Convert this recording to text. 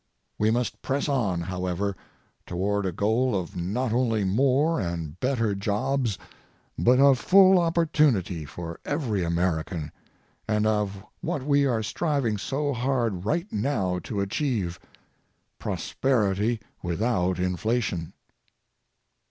We must press on, however, toward a goal of not only more and better jobs but of full opportunity for every American and of what we are striving so hard right now to achieve, prosperity without inflation.